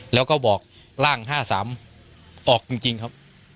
แล้วก็บอกร่าง๕๓ออกจริงครับ